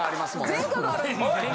前科がある。